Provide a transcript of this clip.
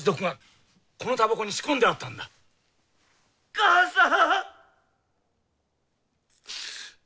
母さん。